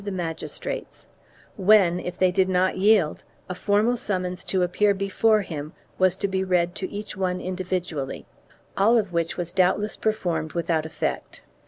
248 THE KINGDOMS OF ARAGON [BOOK I magistrates, when, if they did not yield, a formal summons to appear before him was to be read to each one individually — all of which was doubtless performed without effect.